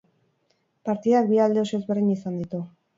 Partidak bi alde oso desberdin izan ditu.